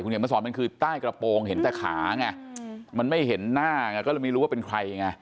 เห็นมาสอนมันคือใต้กระโปรงเห็นแต่ขาไงมันไม่เห็นหน้าไงก็เลยไม่รู้ว่าเป็นใครไง